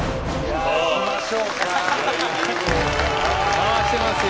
回してますよ。